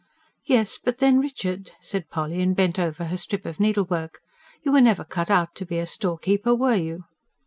"Yes, but then, Richard," said Polly, and bent over her strip of needlework, "you were never cut out to be a storekeeper, were you?"